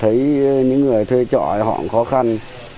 thấy những người thuê trò họ khó khăn